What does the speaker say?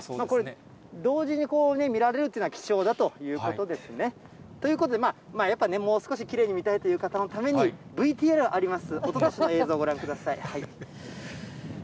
これ、同時に見られるというのは、貴重だということですね。ということで、やっぱりもう少しきれいに見たいという方のために、ＶＴＲあります、これはきれいだ。